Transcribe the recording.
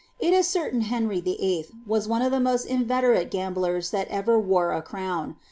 It is certain Henry VIII. was one of the most inveterate gamblers that ever wore a crown.'